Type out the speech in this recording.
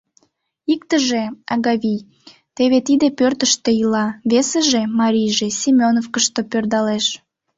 Иктыже, Агавий, теве тиде пӧртыштӧ ила; весыже, марийже, Семеновкышто пӧрдалеш...